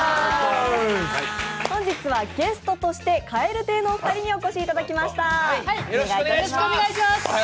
本日はゲストとして蛙亭のお二人にお越しいただきました。